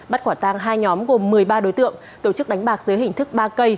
bắt quả tang hai nhóm gồm một mươi ba đối tượng tổ chức đánh bạc dưới hình thức ba cây